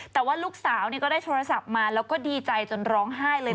แต่ว่าลูกสาวก็ได้โทรศัพท์มาแล้วก็ดีใจจนร้องไห้เลย